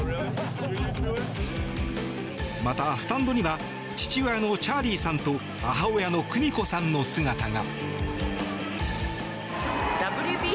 また、スタンドには父親のチャーリーさんと母親の久美子さんの姿が。